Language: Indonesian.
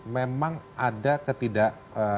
memang ada ketidak